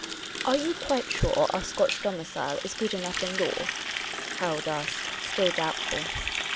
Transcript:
" Are you quite sure our Scotch domicile is good enough in law ?" Harold asked, still doubtful.